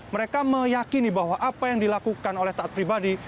mereka meyakini bahwa apa yang dilakukan oleh taat pribadi